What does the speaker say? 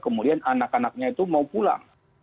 kemudian anak anaknya itu mau pulang